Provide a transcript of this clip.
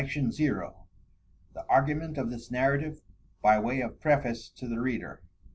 THE ARGUMENT OF THIS NARRATIVE By way of PREFACE TO THE READER.